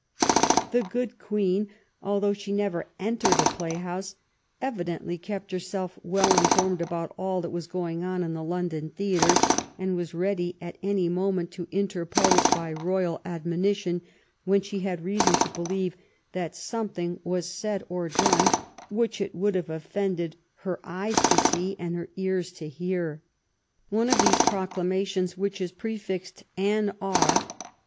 The good Queen, although she never entered a play house, evi dently kept herself well informed about all that was going on in the London theatres, and was ready at any moment to interpose by royal admonition when she had reason to believe that something was said or done which it would have offended her eyes to see and her ears to hear. One of these proclamations, which is prefixed Anne R.